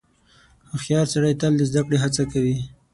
• هوښیار سړی تل د زدهکړې هڅه کوي.